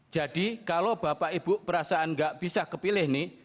jadi kalau bapak ibu perasaan gak bisa kepilih nih